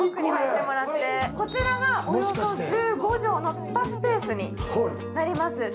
こちらがおよそ１５畳のスパスペースになります。